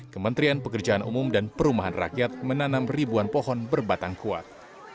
kementerian pekerjaan umum dan perumahan rakyat menanam ribuan pohon berbatang kuat